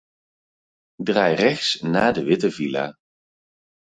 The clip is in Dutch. Draai rechts na de witte villa.